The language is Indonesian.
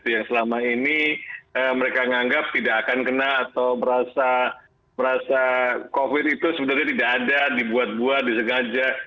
yang selama ini mereka menganggap tidak akan kena atau merasa covid itu sebenarnya tidak ada dibuat buat disengaja